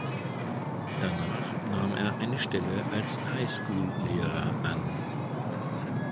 Danach nahm er eine Stelle als High-School-Lehrer an.